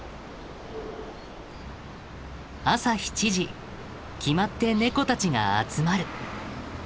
朝７時決まってネコたちが集まる。